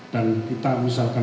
dan kita misalkan